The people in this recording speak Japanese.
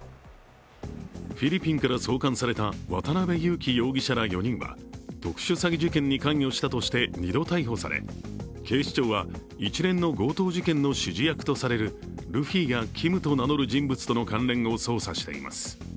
フィリピンから送還された渡辺優樹容疑者ら４人は特殊詐欺事件に関与したとして２度、逮捕され、警視庁は一連の強盗事件の指示役とされるルフィやＫｉｍと名乗る人物との関連を捜査しています。